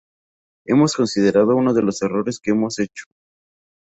Hemos considerado uno de los errores que hemos hecho.